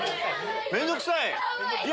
面倒くさい？